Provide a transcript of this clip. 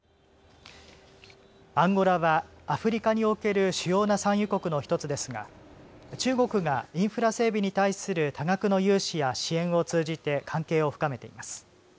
アンゴラはアフリカにおける主要な産油国の１つですが中国がインフラ整備に対する多額の融資や支援を通じて関係を深めています。